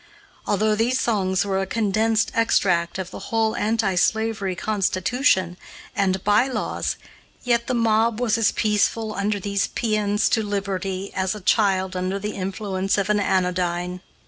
Although these songs were a condensed extract of the whole anti slavery constitution and by laws, yet the mob was as peaceful under these paeans to liberty as a child under the influence of an anodyne.